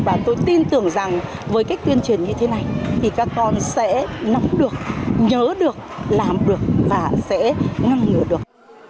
và tôi tin tưởng rằng với cách tuyên truyền như thế này thì các con sẽ nắm được nhớ được làm được và sẽ ngăn ngừa được